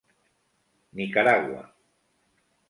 Nicaragua.